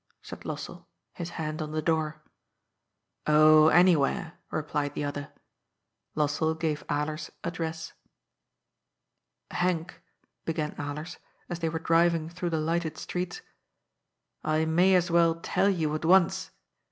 " said Lossell, his hand on the door. " Oh, anywhere," replied the other. Lossell gave Alers's address. " Henk," began Alers, as they were driving through the lighted streets, " I may as well tell you at once.